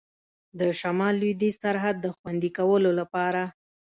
د شمال لوېدیځ سرحد د خوندي کولو لپاره.